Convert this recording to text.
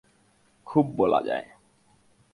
খুব বলা যায়।